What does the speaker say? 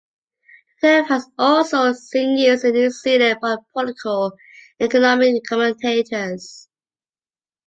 The term has also seen use in New Zealand by political and economic commentators.